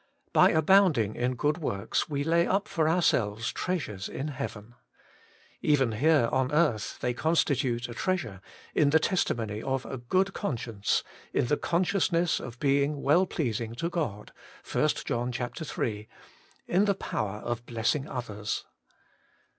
By abounding in good works we lay up for ourselves treasures in heaven. Even here on earth they constitute a treasure, in the testimony of a good conscience, in the con sciousness of being well pleasing to God (i John iii.), in the power of blessing others.